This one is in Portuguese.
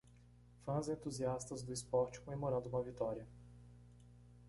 Fãs entusiastas do esporte comemorando uma vitória.